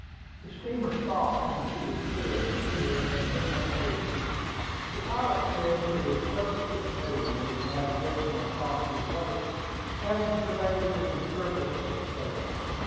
The steamer stopped when she was clear of the pier, and then went ahead. The pilot said he was perfectly familiar with the navigation of Doctor's Lake, having surveyed it in the service of the State.